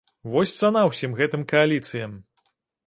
Вось цана ўсім гэтым кааліцыям!